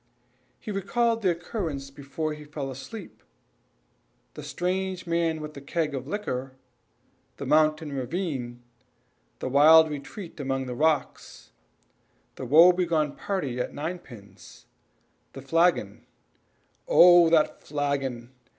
He recalled the occurrences before he fell asleep. The strange man with a keg of liquor the mountain ravine the wild retreat among the rocks the woe begone party at ninepins the flagon "Oh! that flagon!